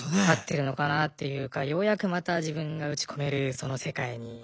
合ってるのかなというかようやくまた自分が打ち込めるその世界に。